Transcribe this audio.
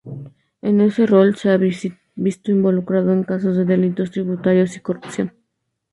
En ese rol, se ha visto involucrado en casos de delitos tributarios y corrupción.